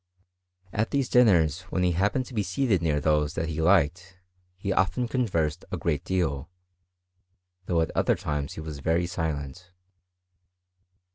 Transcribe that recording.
At these dinners, when he happened to be seated near those that he liked, he often conversed a great deal ; though at other times he was very silent.